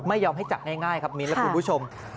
ไม่ยอมให้จับง่ายครับมิ้นและคุณผู้ชม